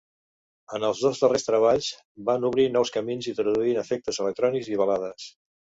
En els dos darrers treball van obrir nous camins introduint efectes electrònics i balades.